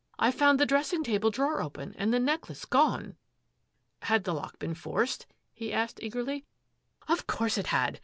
I found the dressing table drawer open and the necklace gone." " Had the lock been forced.'* " he asked eagerly. " Of course it had.